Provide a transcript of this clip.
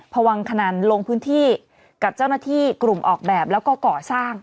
พวังขนันลงพื้นที่กับเจ้าหน้าที่กลุ่มออกแบบแล้วก็ก่อสร้าง